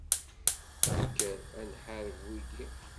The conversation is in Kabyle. Kker ad nḥareb wigi.